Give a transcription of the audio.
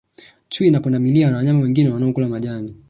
Chui na pundamilia na wanyama wengine wanaokula majani